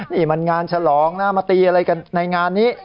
นี่มันงานฉลองนะมาตีอะไรกันในงานนี้